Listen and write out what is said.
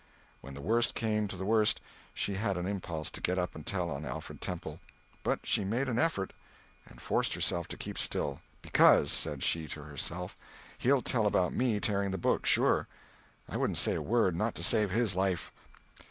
When the worst came to the worst, she had an impulse to get up and tell on Alfred Temple, but she made an effort and forced herself to keep still—because, said she to herself, "he'll tell about me tearing the picture sure. I wouldn't say a word, not to save his life!"